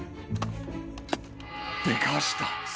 でかした！